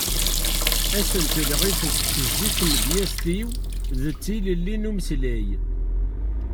Asentel iɣef tettezzi tmedyezt-iw d tilelli n umeslay.